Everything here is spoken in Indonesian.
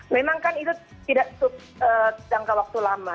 memang kan itu tidak jangka waktu lama